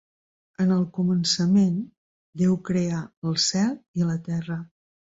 En el començament Déu creà el cel i la terra.